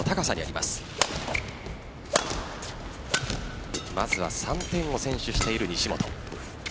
まずは３点を先取している西本。